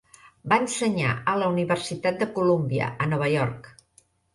Va ensenyar a la Universitat de Columbia, a Nova York.